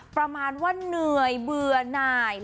ประมาณว่าเหนื่อยเบื่อหน่าย